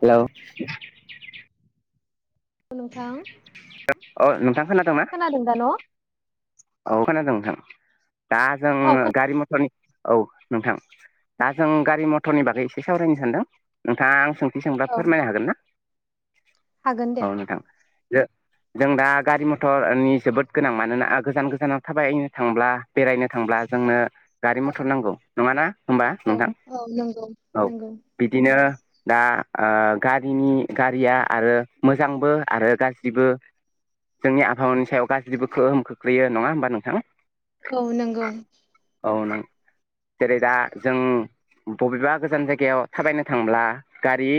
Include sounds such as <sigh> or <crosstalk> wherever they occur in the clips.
हेलाव नोंथां अ नोंथां खोनादोंना खोनादों दा न? औ खोनादों नोंथां दा जोङो औ गारि मथरनि औ नोंथां दा जों गारि मथरनि बागै एसे सावरायनो सानदों नोंथाङा आं सों आं सोंथि सोंब्ला खोना औ फोरमायनो हागोन ना हागोन दे औ नोंथां। जों दा गारि मथरनि जोबोद गोनां मानोना गोजान गोजानाव थाबायनो थांब्ला बेरायनो थांब्ला जोंनो गारि औ मथर नांगौ नङाना होमबा औ नोंथां औ नंगौ औ नंगौ बिदिनो दा ओ गारिनि गारिया आरो मोजांबो आरो गाज्रिबो। जोंनि आबहावानि सायाव गाज्रिबो खोहोम खोख्लैयो नङा होमबा नोंथां? औ नंगौ। औ नों जेरै दा जों बबेबा गोजान जायगायाव थाबायनो थांब्ला गारि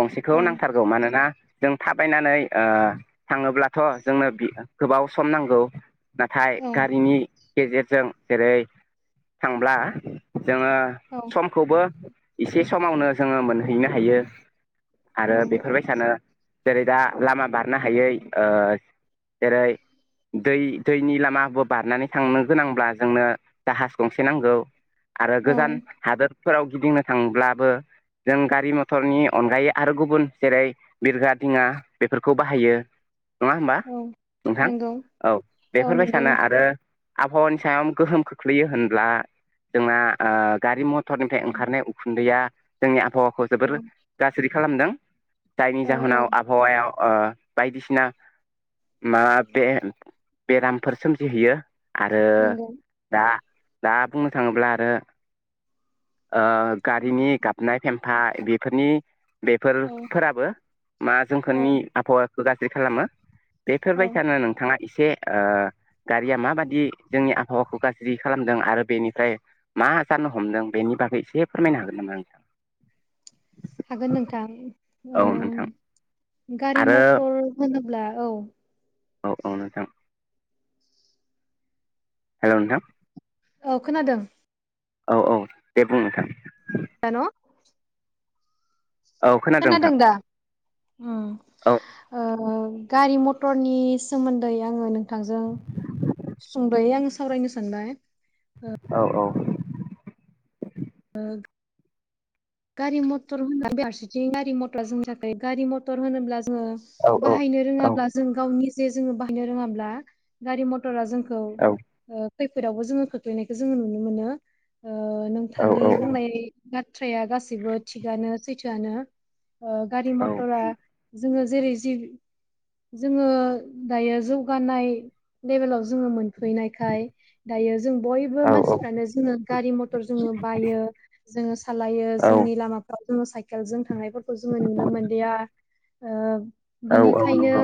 गंसेखौ औ नांथारगौ मानोना जों थाबायनानै ओ थाङोब्लाथ' जोंनो गोबाव सम नांगौ। नाथाय औ गारिनि गेजेरजों जेरै थांब्ला जोङो औ समखौबो एसे समावनो जोङो मोनहैनो हायो। आरो बेफोरबायसानो जेरै दा लामा बारनो हायै ओ जेरै दै दैनि लामाबो बारनानै थांनो गोनांब्ला जोंनो जाहाज गंसे नांगौ। आरो औ गोजान हादोरफोराव गिदिंनो थांब्लाबो जों गारि मथरनि अनगायै आरो गुबुन जेरै बिरग्रा दिङा बेफोरखौ बाहायो। नङा होमबा औ नोंथां नंगौ औ औ नंगौ बेफोरबायसानो नोंथां आरो आबहावानि सायाम गोहोम खोख्लैयो होनब्ला जोंना ओ गारि म थरनिफ्राय ओंखारनाय उखुन्दैया जोंनि आबहावाखौ जोबोर औ गाज्रि खालामदों। जायनि औ जाहोनाव औ आबहावायाव ओ बायदिसिना मा बे बेरामफोर सोमजिहैयो। आरो नंगौ दा दा बुंनो थाङोब्ला आरो ओ गारिनि गाबनाय फेम्फा बेफोरनि बेफोर औ फोराबो मा औ जोंफोरनि आबहावाखौ गाज्रि खालामो। औ बेफोरबायसानो नोंथाङा एसे ओ गारिया माबादि जोंनि आबहावाखौ गाज्रि खालामदों आरो बेनिफ्राय मा जान नो हमदों बेनि बागै एसे फोरमायनो हागोन नामा नोंथां? <inaudible> हागोन नोंथां औ नोंथां ओं गारि आरो मथर होनो ब्ला औ। औ औ नोंथां। हेल' नोंथां। औ खोनादों। औ औ दे बुं नोंथां। जान' औ खोनादों नोंथां दा उम औ ओ गारि मथरनि सोमोन्दै आङो नोंथांजों सुंद'यै आं सावरायनो सानबाय। औ औ। ओग गारि मथर होनोब्ला फारसेथिं गारि मथर जों थाखाय गारि मथर होनोब्ला जोङो औ बाहायनो रोङाब्ला जों गावनि जे जोङो बाहायनो रोङाब्ला गारि मटरा जों औ। खैफोदावबो जोङो खोख्लैनायखौ जोङो नुनो मोनो ओ औ नोंथांनि औ बुंनाय बाथ्राया गासैबो थिगानो सैथोआनो ओ गारि औ मथरा जोङो जेरै जि जोङो दायो जौगानाय लेभेलाव जोङो मोनफैनायखाय दायो जों बयबो औ मानसिफ्रानो जोङो गारि मथर जोङो बायो जोङो सालायो औ जोंनि लामाफ्राव जोङो साइकेल जों थांनायफोरखौ जोङो नुनो मोनलिया ओ औ औ बिनिखायनो नंगौ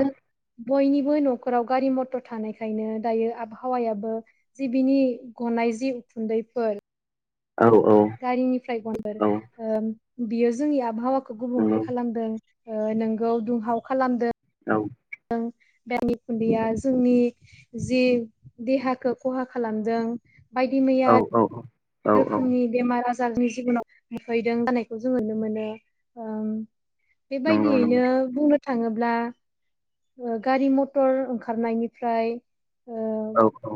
बयनिबो न'खराव गारि मथर थानायखायनो दायो आबहावायाबो जि बिनि गन नायजि उखुन्दैफोर। औ औ गारिनिफ्राय गनबोर नंगौ औ अम बियो जोंनि आबहावाखौ गुबुंले खालामदों। ओ नोंगौ दुंहाव खालामदों। उम <unintelligible> खुन्दैया जोंनि जि देहाखौ खहा खालामदों। बायदि मैया औ-औ-औ। रोखोमनि बेमार आज जायनि जिबनाव मुफैदों गाननायखौ जोङो नुनो मोनो ओं नंगौ नंगौ बेबायदियैनो बुंनो थाङोब्ला। ओ गारि मथर ओंखारनायनिफ्राय। औ-औ।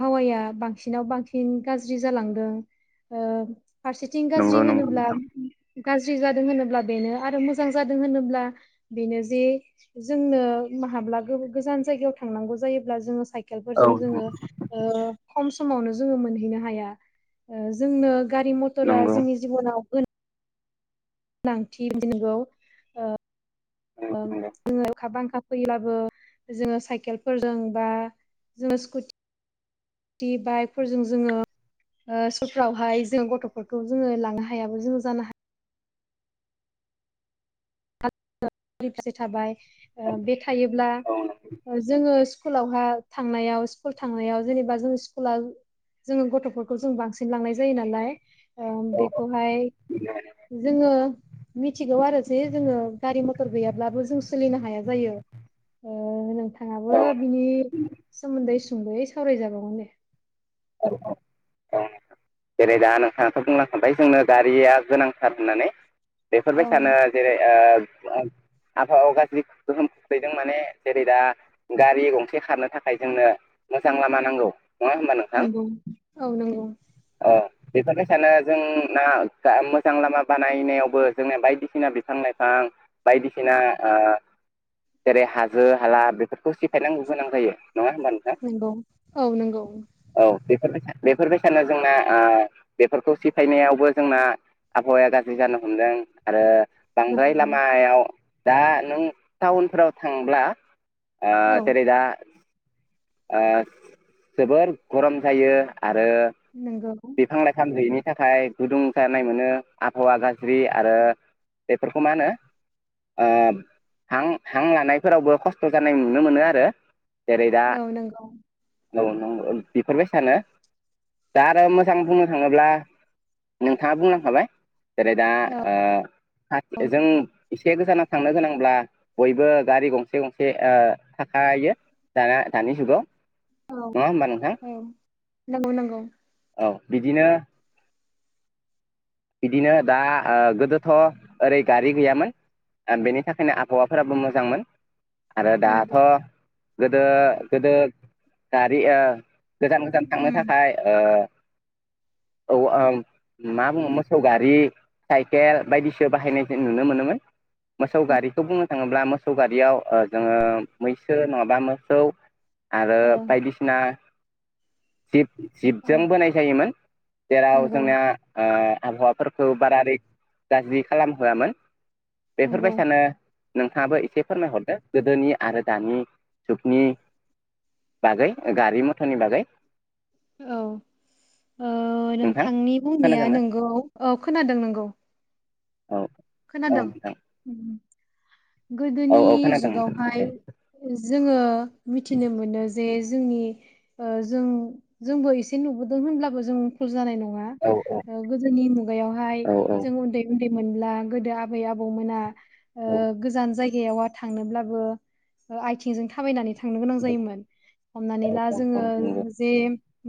हावाया बांसिनाव बांसिन गाज्रि जालांदों ओम फारसेथिं नंगौ गाज्रि नंगौ होनोब्ला नोंथां गाज्रि जादों होनोब्ला बेनो आरो मोजां जादों होनोब्ला बेनो जे जोंनो माहाब्ला गोब गोजान जायगायाव थांनांगौ जायोब्ला जोङो साइक औ केलफोरजों जोङो ओ खम समावनो जोङो मोनहैनो हाया ओ जोंनो गारि मथरा नंगौ नंगौ जोंनि जिबनाव गोनांथि नगौ औ जोङो खाबांखा फैब्लाबो जोङो साइकेलफोरजों बा जोङो स्कुटि बाइकफोरजों जोङो सिकुलफ्रावहाय जों गथ'फोरखौ जोङो लांनो हायो हायाबो जोंङो जानो हाया फिसे थाबाय बे थायोब्ला औ जोङो स्कुलावहा थांनायाव स्कुल थांनायाव जेनेबा जों स्कुला जोङो गथ'फोरखौ जों बांसिन लांनाय जायो नालाय औ बेखौहाय जोङो मिथिगौ आरो जे जोङो गारि मथर गैयाब्लाबो जों सोलिनो हाया जायो नोंथां थाङाबो औ बिनि सोमोन्दै सुंदयै सावरायजाबावगोन दे औ औ जेरै दा नोंथाङाथ' बुंलांखाबबाय जोंनो गारिया गोनांथार होननानै औ बेफोरबाय सानो जेरै आबहावायाव गाज्रि गोहोम खोख्लैदों माने जेरै दा गारि गंसे खारनो थाखाय जोंनो मोजां लामा नांगौ नङा होमबा नोंथां ओं औ नंगौ बेफोरबाय सानो जोंना मोजां लामा बानायनायावबो जोंनि बायदिसिना बिफां लाइफां बिफां बायदिसिना जेरै हाजो हाला बेफोरखौ सिफायनांगौ गोनां जायो नङा होमबा नोंथां नंगौ औ नंगौ बेफोरबाय बेफोरबायसानो जोंना बेफोरखौ सिफायनायावबो जोंना आबहावाया गाज्रि जानो हमदों आरो बांद्राय नंगौ लामायाव दा नों टाउनफोराव थांब्ला आ औ जेरै दा जोबोर गरम जायो आरो नंगौ बिफां लाइफां गैयैनि थाखाय गुदुं जानाय मोनो आबहावा गाज्रि आरो बेफोरखौ मानो ओ हां हां लानायफोरावबो खस्थ' जानाय नुनो मोनो आरो जेरै दा औ नंगौ। औ नंगौ बेफोरबायसाना? दा दा मोजां बुंनो थाङोब्ला नोंथांङा बुंलांखाबाय। जेरै दा औ ओ औ जों नंगौ एसे गोजानाव थांनो गोनांब्ला बयबो गारि गंसे गंसे ओ थाखायो। दाना दानि जुगाव। औ नंङा होमबा नोंथां? औ नंगौ नंगौ औ बिदिनो बिदिनो दा ओ गोदोथ' ओरै गारि गैयामोन। बेनि थाखायनो आबहावाफोराबो मोजांमोन। आरो नंगौ दाथ' गोदो गोदो गारि ओ गोजान गोजान थांनो उम थाखाय ओ औ ओं मा बुंङोमोन? मोसौगारि साइकेल बायदिसो बाहायनाय जों नुनो मोनोमोन। मोसौ गारिखौ बुंनो थांङोब्ला मोसौ गारियाव ओ जोंङो मैसो नंङाबा मोसौ आरो ओ बायदिसिना जिब जिबजों ओ बोनाय जायोमोन जेराव नंगौ जोंनाओ आबहावाफोरखौ बारा रैख गाज्रि खालामहोआमोन नंगौ बेफोरबायसानो नोंथाङाबो एसे फोरमायहरदो गोदोनि आरो दानि जुगनि बागै गारि मथरनि बागै। औ ओ नोंथां नोंथांनि बुंनाया खोनादोंना नोंगौ। औ खोनादों नंगौ। औ औ खोनादों नोंथां उम। औ खोनादों नोंथां दे औ नंगौ औ नंगौ औ नंगौ औ नंगौ औ गोदोनि जुगावहाय जोंङो मिथिनो मोनो जे जोंनि ओ जों-जोंबो एसे नुबोदों होनब्लाबो जों भुल जानाय नं ङा ओ गोदोनि मुगायावहाय जों उन्दैउन्दै मोनब्ला गोदो आबै आबौमोना ओ गोजान जाय गायाव थांनोब्लाबो ओ आइथिंजों थाबायनानै थांनो गोनां जायोमोन हमनानै ला जोंङो जे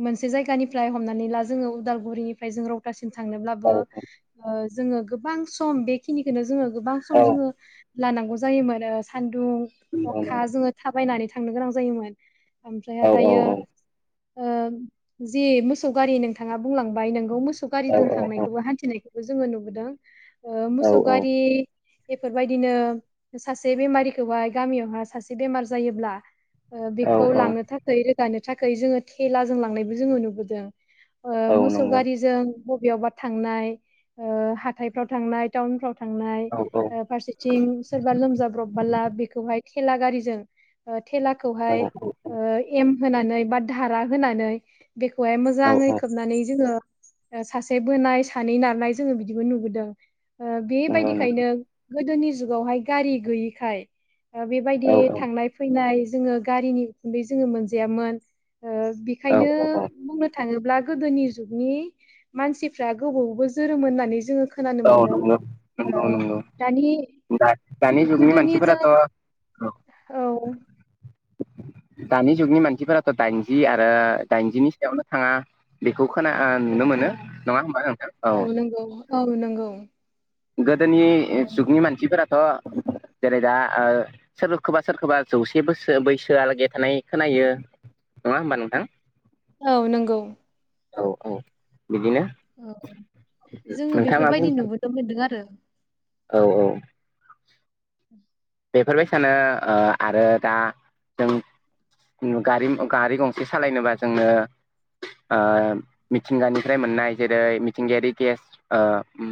मोनसे जायगानिफ्राय हमनानै ला जोंङो उदालगुरिनिफ्राय जों रौतासिम थांनोब्लाबो ओ जोंङो गोबां सम बेखिनिखोनो जोंङो गोबां सम जोंङो लानांगौ जायोमोन ओ सान दुं अखा जोंङो थाबायनानै थांनो गोनां जायोमोन ओमफ्राय दायो ओ जि मोसौ गारि नोंथांङा बुंलांबाय नोंगौ मोसौ गारिदों थांनायखौबो हान्थिनाय जोंङो नुबोदों ओ मोसौ गारि बेफोरबायदिनो सासे बेमारिखौहाय गामियावहा सासे बेमार जायोब्ला ओ बेखौ लांनो थाखाय रोगानो थाखाय जोंङो थेला जों लांनायबो जोंङो नुबोदों। ओ मोसौ गारिजों बबेयावबा थांनाय ओ हाथायफ्राव थांनाय टाउनफ्राव थांनाय ओ फारसेथिं सोरबा लोमजाब्रबोला बेखौहाय थेला गारिजों ओ थेलाखौहाय ओ एम होनानै बा धारा होनानै बेखौहाय मोजाङै खोबनानै जोंङो सासे बोनाय सानै नारनाय जोंङो बिदिबो नुबोदों ओ बेबायदिखायनो गोदोनि जुगावहाय गारि गैयिखाय ओ बेबायदि थांनाय फैनाय जोंङो गारिनि उखुन्दै जोंङो मोनजायामोन ओ बेखायनो बुंनो थांङोब्ला गोदोनि जुगनि मानसिफ्रा गोबावबो जोरोमोन होननानै जोंङो खोनानो औ मोन्दों। ओ नंगौ नंगौ दानि दानि जुगनि गोदोनिजों मानसिफोराथ' औ। दानि जुगनि मानसिफोराथ' दाइनजि आरो दाइनजिनि सायावनो थांङा बे खौ खोना आ नुनो मोनो थाङा नंङा होमबा नोंथां? औ। औ नंगौ। गोदोनि औ जुगनि मानसिफोराथ' <inaudible> जेरै दा ओ सोबोखौबा सोरखौबा जौसे बोसोर बैसो आलागि थानाय खोनायो नङा हमबा नोंथां? औ नंगौ। औ औ बिदिनो औ जोङो नोंथाङा मा बुंनो बेफोरबायदि सानो? नुबोदो मोनदों आरो औ औ बेफोर सानो आ आरो दा जों उम गारिम गारि गंसे सालायनोबा जोंनो आ मिथिंगानिफ्राय मोननाय जेरै-मिथिंगायारि गेस आ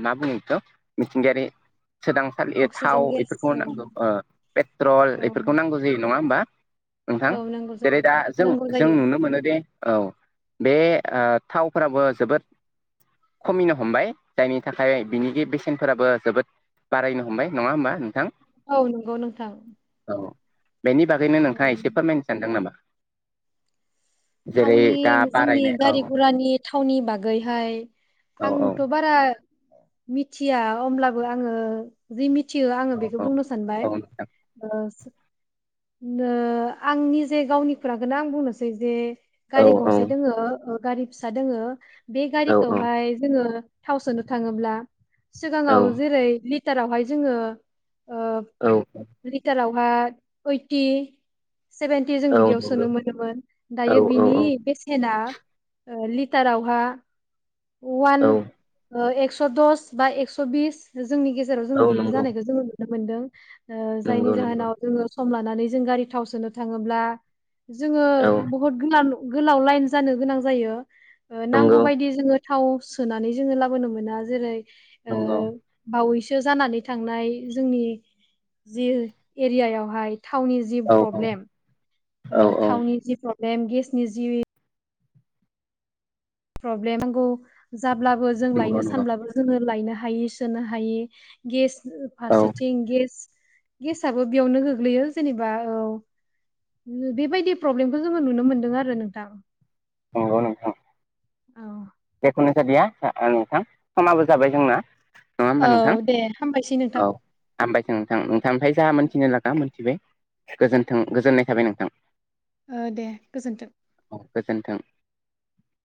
मा बुङो बेखौ? मिथिंगायारि सोदांसालि थाव अक्सिजेन गेस बेफोरखौ औ नांगौ। आ पेट्रल औ बेफोरखौ नांगौ जायो नङा होमबा नोंथां औ नांगौ जायो जेरै- दा जों नांगौ जों जायो नुनो मोनोदे औ बे आ थावफोराबो जोबोद खमिनो हमबाय जायनि थाखाय बिनि बेसेनफोराबो जोबोद बारायनो हमबाय नङा होमबा नोंथां औ नंगौ नोंथां। औ बेनि बागैनो औ नोंथाङा एसे फोरमायनो सानदों नामा? जेरै दा थावनि जोंनि बारायनाय औ गारि गुरानि थावनि बागैहाय औ औ आंथ' बारा मिथिया अमब्लाबो आङो जि मि थियो आङो औ बेखौ औ बुंनो सानबाय औ नोंथां ओ नो आंनि जे गावनि खोरांखौनो आं बुंनोसै जे औ गारि गंसे दोङो ओ गारि फिसा दोङो बे औ गारिखौहाय जोङो थाव सोनो थाङोब्ला औ सिगाङाव जेरै लिटारावहाय जोङो ओ लिटारावहा ओइटि सेभेनटि जों नंगौ औ बिदियाव सोनो मोनोमोन औ दायो औ बिनि औ बेसेना ओ लिटारावहा अवान ओ एकस' दस बा एकस' बिस जोंनि गेजेराव जोङो नंगौ बिदि जानायखौ जोङो नुनो मोनदों ओ जायनि नंगौ नंगौ जाहोनाव जोङो सम लानानै जों गारि थाव सोनो थाङोब्ला जोङो औ बुहुत <unintelligible> गोलाव लाइन जानो गोनां जायो ओ नांगौ नंगौ बायदि जोङो थाव सोनानै जोङो लाबोनो मोना जेरै ओ नंगौ बावै सो जानानै थांनाय जोंनि जि एरियायावहाय थावनि जि औ प्रब्लेम औ ओ औ थावनि जि प्रब्लेम गेसनि जि प्रब्लेम नांगौ जाब्लाबो जों लायनो नंगौ नंगौ सानब्लाबो जोंङो लायनो हायि सोनो हायि गेस ओ औ फारसेथिं गेस गेसआबो बेयावनो गोग्लैयो जेनेबा औ बेबायदि प्रब्लेमखौ जोङो नुनो मोनदों आरो नोंथां नंगौ नोंथा औ जेखुनु जादिया ओ नोंथां समाबो जाबाय जोंना नङा होमबा नोंथां औ दे हामबायसै नोंथां औ हामबायसो नोंथां नोंथांनिफाय जा मोनथिनो लागा मोनथिबाय गोजोनथों गोजोननाय थाबाय नोंथां ओ दे गोजोन्थों औ गोजोन्थों